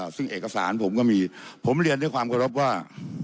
ซึ่งเอกสารผมก็มีผมเรียนด้วยความเคารพว่า